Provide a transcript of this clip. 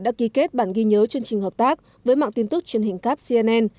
đã ký kết bản ghi nhớ chương trình hợp tác với mạng tin tức truyền hình cáp cnn